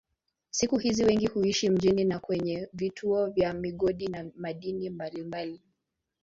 Siku hizi wengi huishi mjini na kwenye vituo vya migodi ya madini mbalimbali.